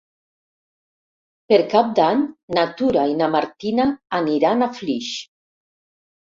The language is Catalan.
Per Cap d'Any na Tura i na Martina aniran a Flix.